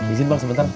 izin bang sebentar